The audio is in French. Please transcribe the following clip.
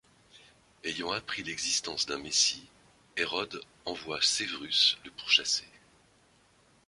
Ayant appris l'existence d'un messie, Hérode envoie Severus le pourchasser.